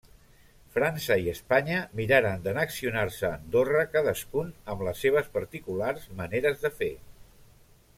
França i Espanya miraren d'annexionar-se Andorra cadascun amb les seves particulars maneres de fer.